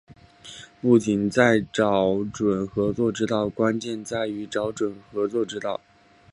不仅在于找准合作之道，关键在于找准了合作之道